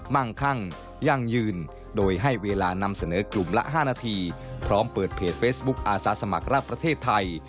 มั่งคั่งยั่งยืนโดยให้เวลานำเสนอกลุ่มละ๕นาทีพร้อมเปิดเพจเฟซบุ๊คอาสาสมัครรับประเทศไทย